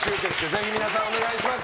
ぜひ皆さんお願いします。